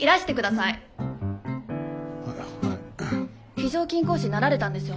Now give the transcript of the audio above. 非常勤講師になられたんですよね。